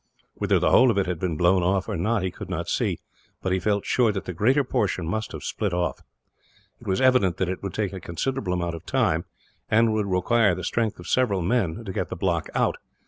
Whether the whole of it had been blown off, or not, he could not see; but he felt sure that the greater portion must have split off. It was evident that it would take a considerable amount of time, and would require the strength of several men, to get the block out.